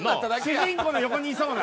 主人公の横にいそうな。